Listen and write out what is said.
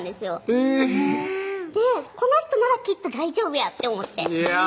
えぇでこの人ならきっと大丈夫やって思っていや